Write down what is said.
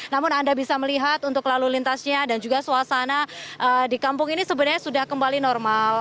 namun anda bisa melihat untuk lalu lintasnya dan juga suasana di kampung ini sebenarnya sudah kembali normal